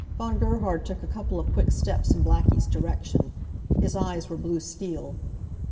Von Gerhard took a couple of quick steps in Blackie's direction. His eyes were blue steel.